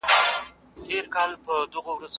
ورځ په چټکۍ سره تېرېږي.